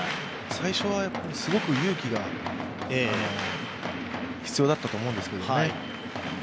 最初はすごく勇気が必要だったと思うんですけどね。